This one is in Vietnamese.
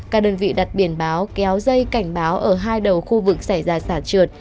các đơn vị đặt biển báo kéo dây cảnh báo ở hai đầu khu vực xảy ra sạt trượt